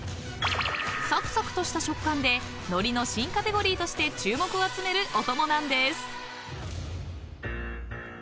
［サクサクとした食感で海苔の新カテゴリーとして注目を集めるおともなんです］